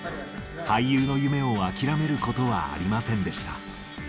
俳優の夢を諦めることはありませんでした。